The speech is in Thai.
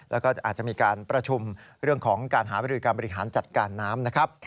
แล้วก็อาจจะมีการประชุมเรื่องของการหาบริการบริหารจัดการน้ำนะครับ